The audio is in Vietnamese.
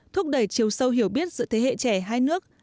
thúc đẩy chiều sâu hiểu biết giữa thế hệ trẻ hai nước